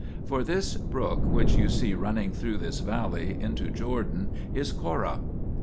For this brook which you see running through this valley into Jordan, is Corra."